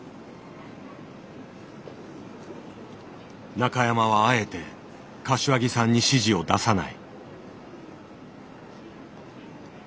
中山はあえて柏木さんに指示を出さない。